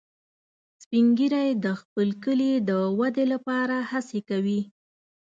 سپین ږیری د خپل کلي د ودې لپاره هڅې کوي